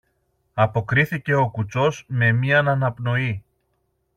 αποκρίθηκε ο κουτσός με μιαν αναπνοή.